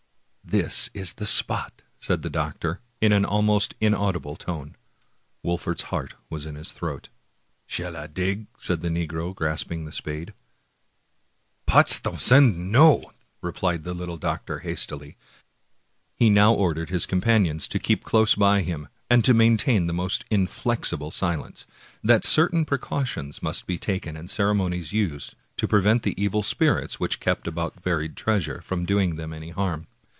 " This is the spot! " said the doctor, in an almost inaudi ble tone. Wolfert's heart was in his throat. » A small bay in the East River below Corlear's Hook. 212 Washington Irving " Shall I dig? " said the negro, grasping the spade. " Pots tansciid^ no !" replied the little doctor hastily. He now ordered his companions to keep close by him, and to maintain the most inflexible silence; that certain precau tions must be taken and ceremonies used to prevent the evil spirits which kept about buried treasure from doing them any harm.